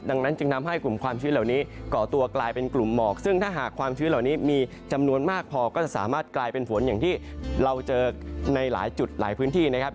ดังนั้นจึงทำให้กลุ่มความชื้นเหล่านี้ก่อตัวกลายเป็นกลุ่มหมอกซึ่งถ้าหากความชื้นเหล่านี้มีจำนวนมากพอก็จะสามารถกลายเป็นฝนอย่างที่เราเจอในหลายจุดหลายพื้นที่นะครับ